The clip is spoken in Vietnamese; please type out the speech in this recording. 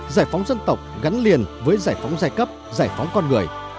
giải phóng dân tộc gắn liền với giải phóng giai cấp giải phóng con người